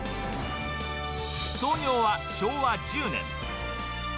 創業は昭和１０年。